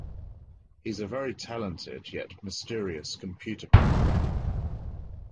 He's a very talented, yet mysterious computer programmer.